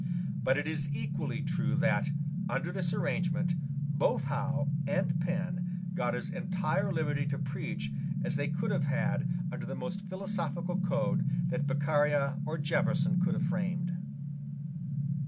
But it is equally true that, under this arrangement, both Howe and Penn got as entire liberty to preach as they could have had under the most philosophical code that Beccaria or Jefferson could have framed.